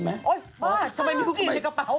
โอ๊ยบ้าทำไมมีคุณกินในกระเป๋า